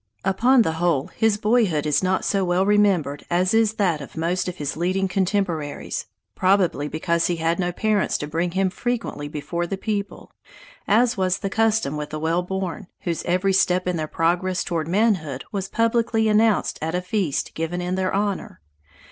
Upon the whole, his boyhood is not so well remembered as is that of most of his leading contemporaries, probably because he had no parents to bring him frequently before the people, as was the custom with the wellborn, whose every step in their progress toward manhood was publicly announced at a feast given in their honor.